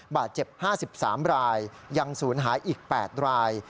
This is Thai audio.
บาดเจ็บ๕๓รายยังศูนย์หายอีก๘ราย